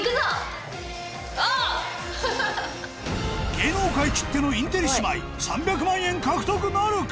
芸能界きってのインテリ姉妹３００万円獲得なるか？